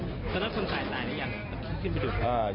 แล้วคนสายตายหรือยังขึ้นไปดูดบุหรี่